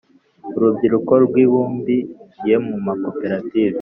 urubyiruko rwibumbiye mu ma koperative